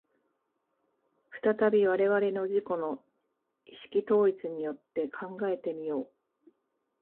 再び我々の自己の意識統一によって考えて見よう。